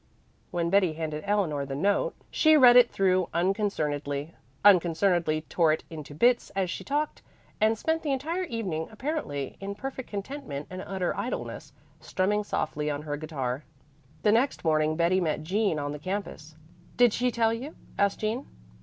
When Betty handed Eleanor the note she read it through unconcernedly, unconcernedly tore it into bits as she talked, and spent the entire evening, apparently, in perfect contentment and utter idleness, strumming softly on her guitar. The next morning Betty met Jean on the campus. "Did she tell you?" asked Jean.